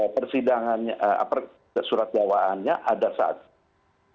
persidangan apa surat dawaannya ada satu